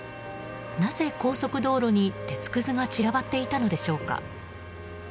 なぜ高速道路に鉄くずが散らばっていたのでしょうか。